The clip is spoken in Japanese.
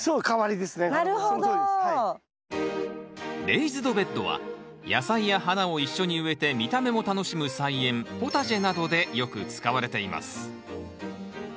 レイズドベッドは野菜や花を一緒に植えて見た目も楽しむ菜園ポタジェなどでよく使われています。